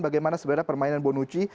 bagaimana sebenarnya permainan bonucci